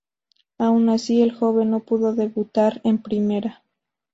Aun así, el joven no pudo debutar en primera.